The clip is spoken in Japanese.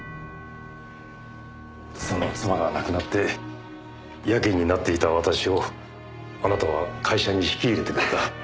その妻が亡くなってやけになっていた私をあなたは会社に引き入れてくれた。